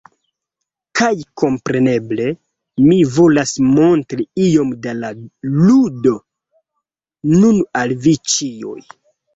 Kaj kompreneble, mi volas montri iom da la ludo nun al vi ĉiuj.